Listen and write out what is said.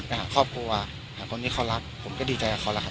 หาครอบครัวหาคนที่เขารักผมก็ดีใจกับเขาแล้วครับ